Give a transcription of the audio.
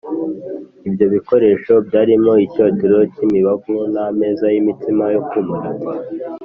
ibyo bikoresho byarimo icyotero cy’imibavu n ameza y’imitsima yo kumurikwa